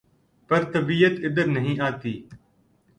پر طبیعت ادھر نہیں آتی